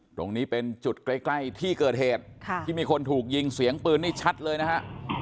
ตรงนี้เป็นจุดใกล้ที่เกิดเหตุที่มีคนถูกยิงเสียงปืนนี่ชัดเลยนะฮะ